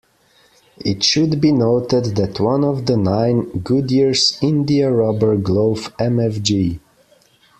It should be noted that one of the nine, Goodyear's India Rubber Glove Mfg.